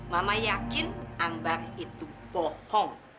mama yakin ambang itu bohong